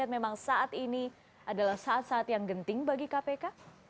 memang saat ini adalah saat saat yang genting bagi kpk